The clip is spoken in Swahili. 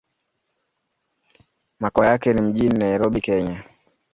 Makao yake ni mjini Nairobi, Kenya.